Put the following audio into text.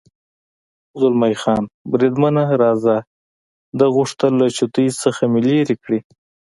زلمی خان: بریدمنه، راځه، ده غوښتل چې له دوی څخه مې لرې کړي.